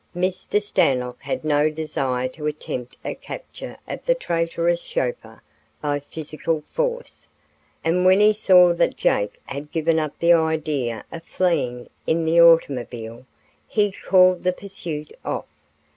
Mr. Stanlock had no desire to attempt a capture of the traitorous chauffeur by physical force, and when he saw that Jake had given up the idea of fleeing in the automobile, he called the pursuit off.